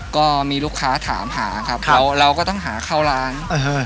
ก็มีลูกค้าถามหาครับครับแล้วเราก็ต้องหาเข้าร้านเออเฮ้ย